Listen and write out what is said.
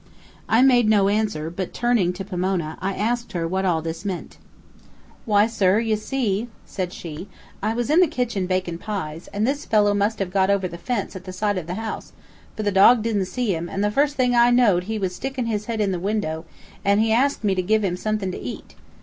I made no answer, but turning to Pomona, I asked her what this all meant. "Why, sir, you see," said she, "I was in the kitchen bakin' pies, and this fellow must have got over the fence at the side of the house, for the dog didn't see him, and the first thing I know'd he was stickin' his head in the window, and he asked me to give him somethin' to eat.